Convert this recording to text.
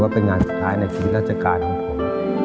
เป็นงานสุดท้ายในชีวิตราชการของผม